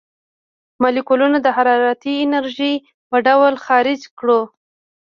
مالیکولونه د حرارتي انرژۍ په ډول خارج کړو.